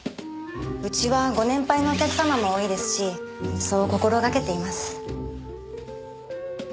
うちはご年配のお客様も多いですしそう心がけています。